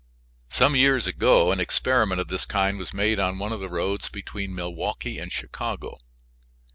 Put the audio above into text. Some years ago an experiment of this kind was made on one of the roads between Milwaukee and Chicago.